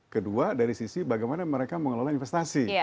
kedua dari sisi bagaimana mereka mengelola investasi